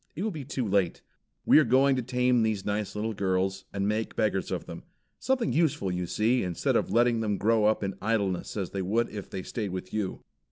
It will be too late. We are going to tame these nice little girls, and make beggars of them. Something useful, you see, instead of letting them grow up in idleness as they would if they stayed with you.